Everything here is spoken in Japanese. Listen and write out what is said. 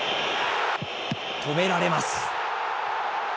止められます。